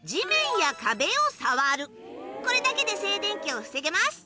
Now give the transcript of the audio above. これだけで静電気を防げます。